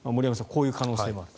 こういう可能性もあると。